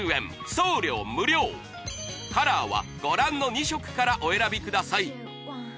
送料無料カラーはご覧の２色からお選びください